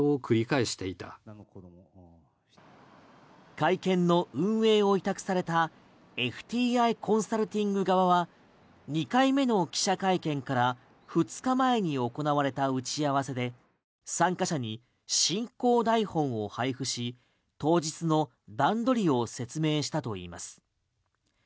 会見の運営を委託されたＦＴＩコンサルティング側は２回目の記者会見から２日前に行われた打ち合わせで参加者に進行台本を配布し当日の段取りを説明したといいます。